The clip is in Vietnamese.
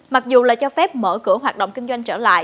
mặc dù là cho phép mở cửa hoạt động kinh doanh trở lại